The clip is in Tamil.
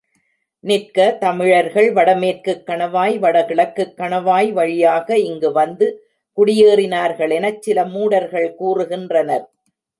நிற்க, தமிழர்கள் வடமேற்குக் கணவாய், வடகிழக்குக் கணவாய் வழியாக இங்கு வந்து குடியேறினார்களெனச் சில மூடர்கள் கூறுகின்றனர்.